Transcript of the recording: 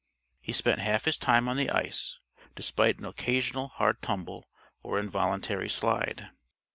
He spent half his time on the ice, despite an occasional hard tumble or involuntary slide.